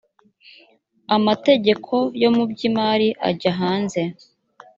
amategeko yo mu by imari ajya hanze